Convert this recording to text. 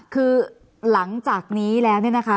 คือหลังจากนี้แล้ว